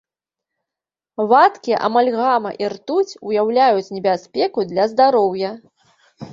Вадкія амальгама і ртуць уяўляюць небяспеку для здароўя.